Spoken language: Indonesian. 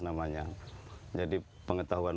namanya jadi pengetahuan